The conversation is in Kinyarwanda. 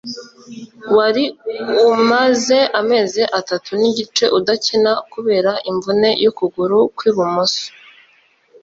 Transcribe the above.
wari umaze amezi atatu n’igice adakina kubera imvune y’ukuguru kw’ubumoso